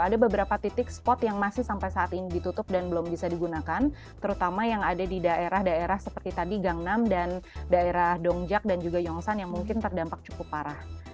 ada beberapa titik spot yang masih sampai saat ini ditutup dan belum bisa digunakan terutama yang ada di daerah daerah seperti tadi gang enam dan daerah dongjak dan juga yongsan yang mungkin terdampak cukup parah